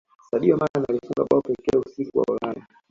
saidio mane alifunga bao pekee usiku wa ulaya